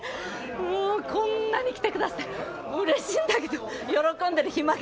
もうこんなに来てくださってうれしいんだけど喜んでる暇がない。